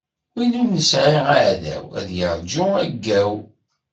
Win ur nesɛi aɛdaw, ad yeṛǧu aggaw!